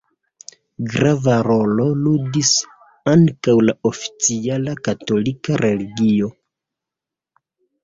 Grava rolo ludis ankaŭ la oficiala katolika religio.